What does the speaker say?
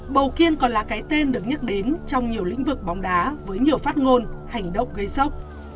bầu kiên còn là cái tên được nhắc đến trong nhiều lĩnh vực bóng đá với nhiều phát ngôn hành động gây sốc